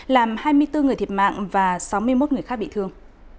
làm hai mươi bốn người thiệt mạng và sáu mươi một người khác bị thương